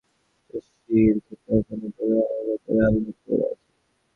সরেজমিনে দেখা গেছে, অনেক চাষির খেতে এখনো গ্রানুলা জাতের আলু পড়ে আছে।